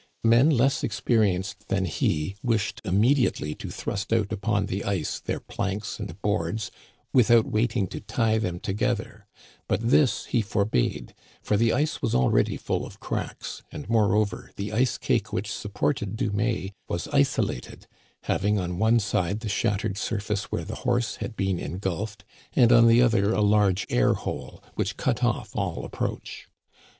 Men less experienced than he wished immediately to thrust out upon the ice their planks and boards without waiting to tie them together ; but this he forbade, for the ice was already full of cracks, and moreover the ice cake which supported Dumais was isolated, having on the one side the shattered surface where the horse had been en gulfed, and on the other a large air hole which cut off all approach.